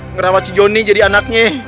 ngerawat si joni jadi anaknya